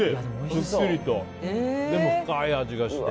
すっきりとでも深い味がして。